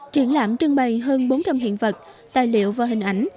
triển lãm trưng bày hơn bốn trăm linh hiện vật tài liệu và hình ảnh